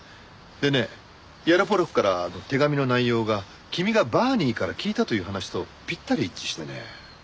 でねヤロポロクからの手紙の内容が君がバーニーから聞いたという話とぴったり一致してね。